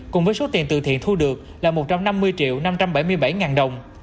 cùng với số tiền từ thiện thu được là một trăm năm mươi năm trăm bảy mươi bảy đồng